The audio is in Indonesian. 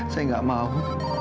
saya gak mau